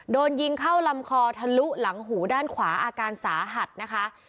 โดนยิงเข้าลำคอทะลุหลังหูด้านขวาอาการสาหัสนะคะ